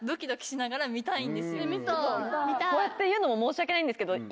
こうやって言うのも申し訳ないんですけど。